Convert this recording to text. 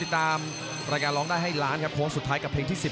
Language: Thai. ไทยไฟเตอร์